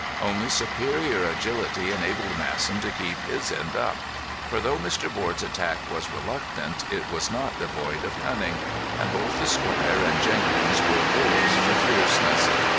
Only superior agility enabled Masson to keep his end up, for, though Mr. Board's attack was reluctant, it was not devoid of cunning, and both the squire and Jenkins were bulls for fierceness.